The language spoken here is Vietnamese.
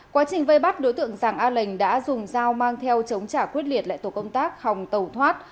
quá trình vây bắt đối tượng giàng a lệnh đã dùng dao mang theo chống trả quyết liệt lại tổ công tác hồng tẩu thoát